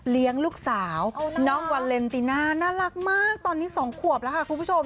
เลี้ยงลูกสาวน้องเวอเรนติน่าน่ารักมากตอนนี้สองขวบละครับคุณผู้ชม